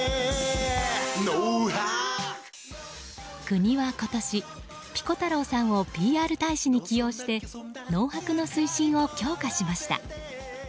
国は今年、ピコ太郎さんをＰＲ大使に起用して農泊の推進を強化しました。